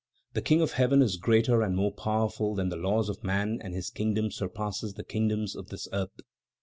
The King of Heaven is greater and more powerful than the laws of man and His kingdom surpasses the kingdoms of this earth.